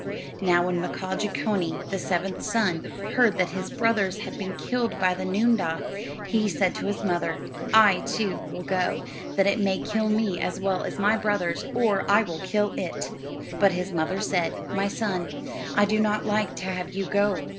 Now when Mkaaah Jeechonee, the seventh son, heard that his brothers had been killed by the noondah, he said to his mother, "I, too, will go, that it may kill me as well as my brothers, or I will kill it." But his mother said: "My son, I do not like to have you go.